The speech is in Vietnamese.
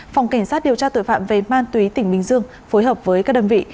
phòng cảnh sát điều tra tội phạm về ma túy tỉnh bình dương phối hợp với các đơn vị